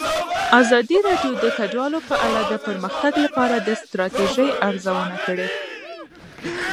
ازادي راډیو د کډوال په اړه د پرمختګ لپاره د ستراتیژۍ ارزونه کړې.